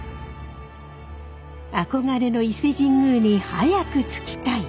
憧れの伊勢神宮に早く着きたい。